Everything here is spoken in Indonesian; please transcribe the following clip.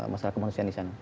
masalah kemanusiaan disana